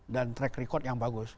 dan track record yang bagus